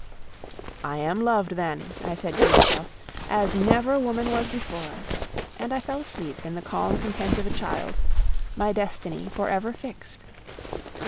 "I am loved then," I said to myself, "as never woman was before." And I fell asleep in the calm content of a child, my destiny for ever fixed.